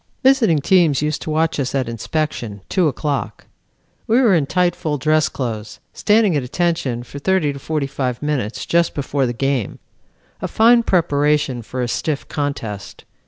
"Visiting teams used to watch us at inspection, two o'clock. We were in tight full dress clothes, standing at attention for thirty to forty five minutes just before the game. A fine preparation for a stiff contest.